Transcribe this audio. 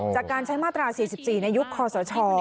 จากการใช้มาตรา๔๔ในยุคคอสช